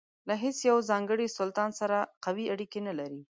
له هیڅ یوه ځانګړي سلطان سره قوي اړیکې نه لرلې.